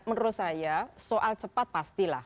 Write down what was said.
menurut saya soal cepat pastilah